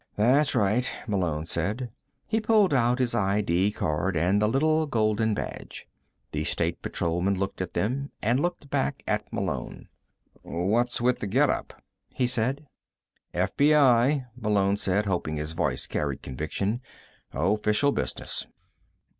"That's right," Malone said. He pulled out his ID card and the little golden badge. The State Patrolman looked at them, and looked back at Malone. "What's with the getup?" he said. "FBI," Malone said, hoping his voice carried conviction. "Official business."